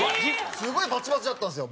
すごいバチバチだったんですよ。